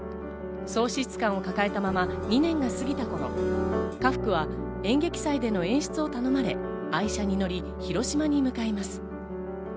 喪失感を抱えたまま２年が過ぎた頃、家福は演劇祭での演出を頼まれ、愛車に乗り、広島に向かいます。